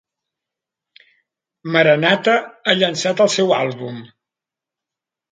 Maranatha ha llançat el seu àlbum!